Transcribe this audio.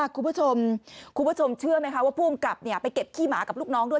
คุณผู้ชมคุณผู้ชมเชื่อไหมคะว่าผู้กำกับไปเก็บขี้หมากับลูกน้องด้วย